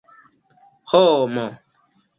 homo